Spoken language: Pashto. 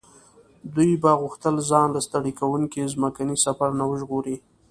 دوی به غوښتل ځان له ستړي کوونکي ځمکني سفر نه وژغوري.